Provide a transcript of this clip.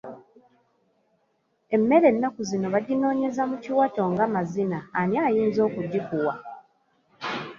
Emmere enakuzino bajinonyeza mu kiwato ng'amazina ani ayinza okugikuwa?